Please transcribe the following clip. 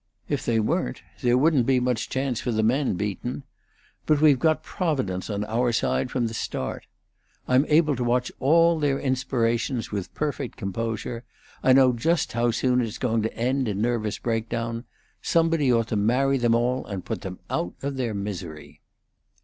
If they weren't, there wouldn't be much chance for the men, Beaton. But we've got Providence on our own side from the start. I'm able to watch all their inspirations with perfect composure. I know just how soon it's going to end in nervous breakdown. Somebody ought to marry them all and put them out of their misery."